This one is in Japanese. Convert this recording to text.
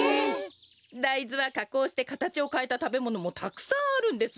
だいずはかこうしてかたちをかえたたべものもたくさんあるんです。